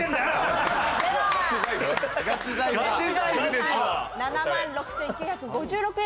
では７万６９５６円